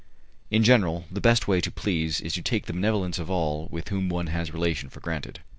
In general, the best way to please is to take the benevolence of all with whom one has relation for granted.